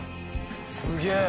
すげえ。